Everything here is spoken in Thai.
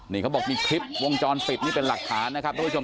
นี้เขาบอกมีคลิปวงจรปิดนี่เป็นหลักฐาน